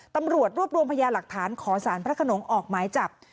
ตำรวจรวบรวมพยาหลักฐานขอสารพระขนงออกหมายจับ